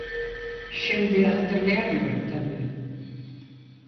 Şimdi hatırlayamıyorum tabii.